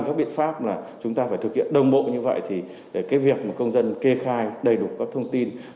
các biện pháp là chúng ta phải thực hiện đồng bộ như vậy thì cái việc mà công dân kê khai đầy đủ các thông tin